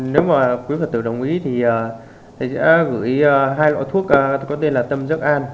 nếu mà quý phật tử đồng ý thì sẽ gửi hai loại thuốc có tên là tâm dương an